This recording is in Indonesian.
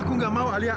aku gak mau alia